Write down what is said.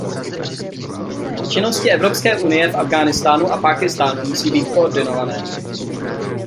Činnosti Evropské unie v Afghánistánu a Pákistánu musí být koordinované.